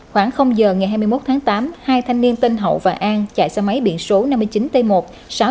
khoảng giờ ngày hai mươi một tháng tám hai thanh niên tên hậu và an chạy xe máy biển số năm mươi chín t một sáu mươi sáu nghìn hai trăm năm mươi ba